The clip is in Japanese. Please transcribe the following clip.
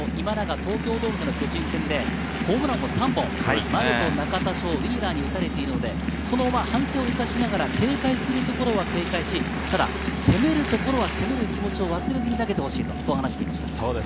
東京ドームでの巨人戦でホームランを３本、丸、中田翔、ウィーラーに打たれているので、その反省を生かしながら、警戒するところは警戒し、ただ攻めるところは攻める気持ちを忘れずに投げてほしいと話しています。